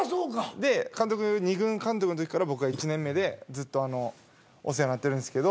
で監督が２軍監督の時から僕が１年目でずっとお世話になってるんですけど。